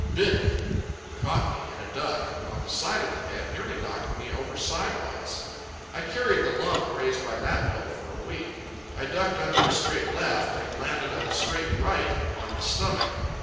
Biff! he caught me, in a duck, on the side of the head nearly knocking me over sidewise. I carried the lump raised by that blow for a week. I ducked under a straight left, and landed a straight right on his stomach.